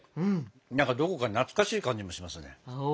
何かどこか懐かしい感じもしますね。